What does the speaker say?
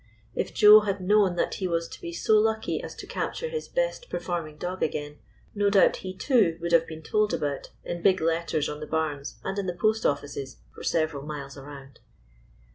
If Joe had known that he was to be so lucky as to capture his best per forming dog again, no doubt he, too, would have 187 GYPSY, THE TALKING DOG been told about in big letters on tlie barns and in the post offices for several miles around.